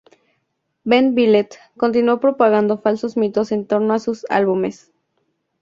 Van Vliet continuó propagando falsos mitos en torno a sus álbumes.